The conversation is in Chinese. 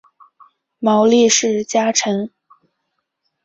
毛利氏家臣。